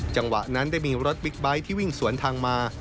จังหวะนั้นได้มีรถบิ๊กไบท์ที่วิ่งสวนทางมา